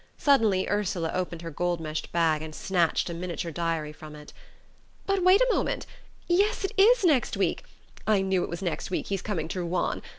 Suddenly Ursula opened her gold meshed bag and snatched a miniature diary from it. "But wait a moment yes, it is next week! I knew it was next week he's coming to Ruan!